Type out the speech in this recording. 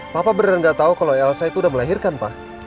papa beneran gak tau kalau elsa itu sudah melahirkan pak